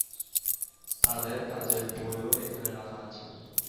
তাদের কাজের বইও এখানে রাখা আছে।